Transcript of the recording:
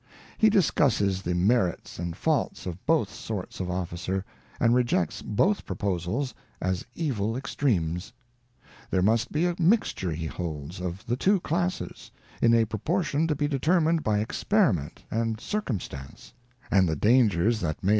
He discusses the merits and faults of both sorts of officer, and rejects both proposals as evil extremes. There must be a mixture, he holds, of the two classes, in a proportion to be determined by experiment and circumstance ; and the dangers that may attend INTRODUCTION.